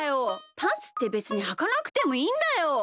パンツってべつにはかなくてもいいんだよ。